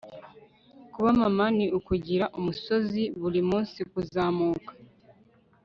kuba mama ni ukugira umusozi burimunsi kuzamuka